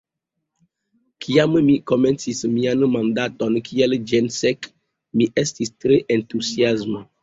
Kiam mi komencis mian mandaton kiel ĜenSek, mi estis tre entuziasma.